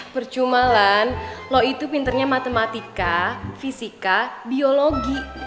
percuma lan lo itu pinternya matematika fisika biologi